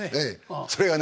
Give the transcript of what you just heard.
それがね